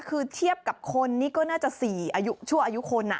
คือเทียบกับคนนี่ก็น่าจะ๔อายุชั่วอายุคน